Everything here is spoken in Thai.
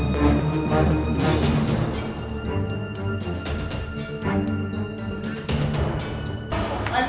มันหน้าตัว